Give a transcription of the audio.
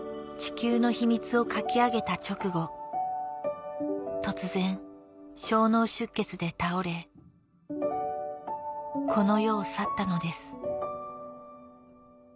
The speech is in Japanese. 『地球の秘密』を書き上げた直後突然小脳出血で倒れこの世を去ったのです